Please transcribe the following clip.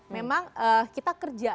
memang kita kerja